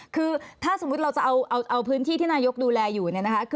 คือถ้าสมมุติเราจะเอาพื้นที่ที่นายกดูแลอยู่